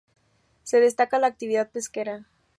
Se destaca la actividad pesquera.